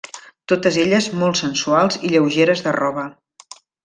Totes elles molt sensuals i lleugeres de roba.